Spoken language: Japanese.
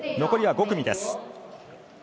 残りは５組です。